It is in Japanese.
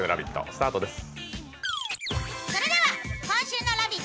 スタートです。